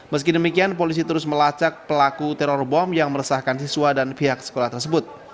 meski demikian polisi terus melacak pelaku teror bom yang meresahkan siswa dan pihak sekolah tersebut